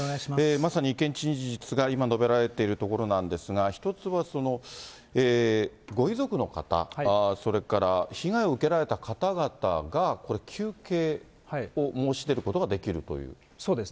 まさに意見陳述が、今述べられているところなんですが、１つはご遺族の方、それから被害を受けられた方々が、これ、求刑を申し出ることができるという。